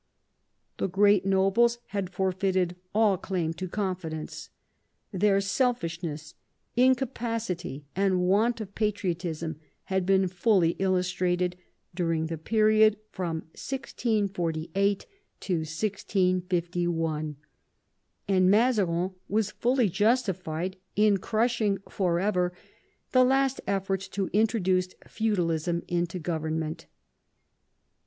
The great nobles had forfeited all claim to confidence. Their selfishness, incapacity, and want of patriotism had been fully illus trated during the period from 1648 to 1651, and Mazarin was fully justified in crushing for ever the last efforts to introduce feudalism into government.